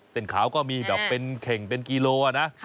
ขาวก็มีแบบเป็นเข่งเป็นกิโลนะ